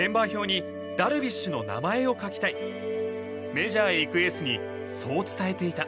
メジャーへ行くエースにそう伝えていた。